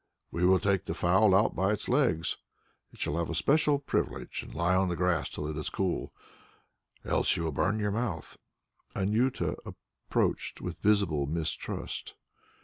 "We will take the fowl out by its legs. It shall have a special privilege and lie on the grass till it is cool, else you will burn your mouth." Anjuta approached with visible mistrust.